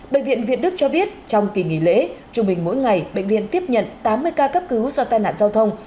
bệnh viện việt đức cho biết trong kỳ nghỉ lễ trung bình mỗi ngày bệnh viện tiếp nhận tám mươi ca cấp cứu do tai nạn giao thông